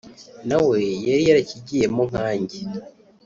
nawe yari yarakigiyemo nkanjye